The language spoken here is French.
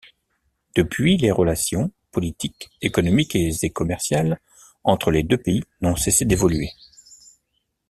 Depuis, les relations, politiques, économiques et commerciales entre les deux pays n’ont cessé d’évoluer.